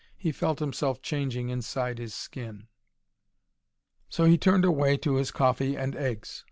He felt himself changing inside his skin. So he turned away to his coffee and eggs.